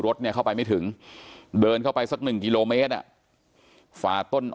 รถเนี่ยเข้าไปไม่ถึงเดินเข้าไปสักหนึ่งกิโลเมตรฝ่าต้น